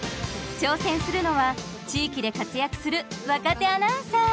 挑戦するのは地域で活躍する若手アナウンサー。